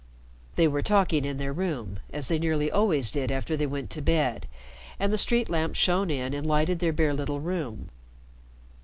They were talking in their room, as they nearly always did after they went to bed and the street lamp shone in and lighted their bare little room.